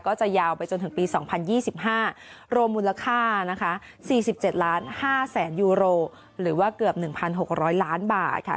ก็จะยาวไปจนถึงปี๒๐๒๕รวมมูลค่านะคะ๔๗๕๐๐๐ยูโรหรือว่าเกือบ๑๖๐๐ล้านบาทค่ะ